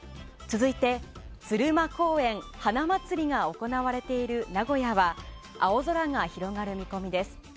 続いて、鶴舞公園花まつりが行われている名古屋は青空が広がる見込みです。